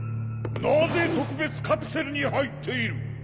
なぜ特別カプセルに入っている？